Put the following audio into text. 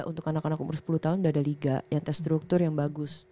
untuk anak anak umur sepuluh tahun sudah ada liga yang terstruktur yang bagus